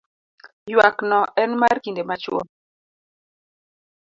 ywak no en mar kinde machuok